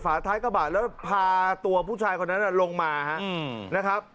ท้ายกระบะแล้วพาตัวผู้ชายคนนั้นลงมานะครับ